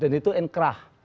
dan itu inqrah